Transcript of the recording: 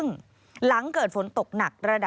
สวัสดีค่ะสวัสดีค่ะ